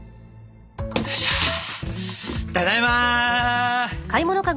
ただいま。